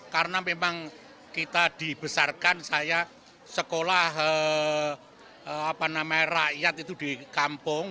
karena memang kita dibesarkan saya sekolah rakyat itu di kampung